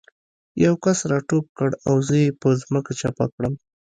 یو کس را ټوپ کړ او زه یې په ځمکه چپه کړم